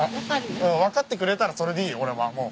分かってくれたらそれでいい俺はもう。